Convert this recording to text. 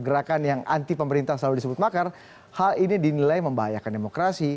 gerakan yang anti pemerintah selalu disebut makar hal ini dinilai membahayakan demokrasi